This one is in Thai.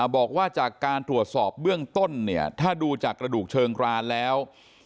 บอกว่าจากการตรวจสอบเบื้องต้นเนี่ยถ้าดูจากกระดูกเชิงกรานแล้ว